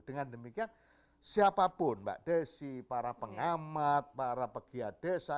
dengan demikian siapapun mbak desi para pengamat para pegiat desa